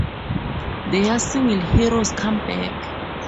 Their single Hero's Come Back!!